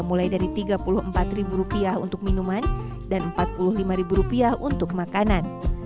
mulai dari tiga puluh empat rupiah untuk minuman dan empat puluh lima rupiah untuk makanan